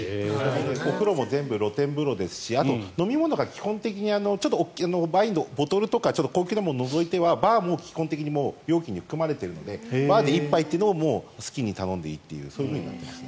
お風呂も全部露天風呂ですし、飲み物が基本的に、ワインのボトルとか高級なものを除いてはバーも料金に含まれているのでバーで一杯というのも好きに頼んでいいというふうになっていますね。